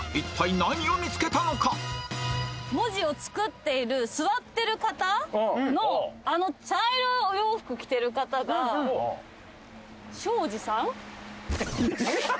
文字を作っている座ってる方のあの茶色いお洋服着てる方が庄司さん？